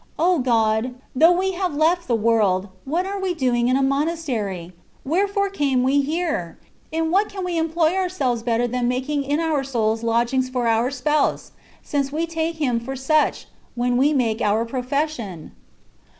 O God ! though we have left the world, what are we doing in a monastery ? Wherefore came we here ? In what can we employ ourselves better than making in our souls lodgings for our Spouse^ CONCEPTIONS OF DIVINE LOVE, 237 since we take Him for such^ when we make our profession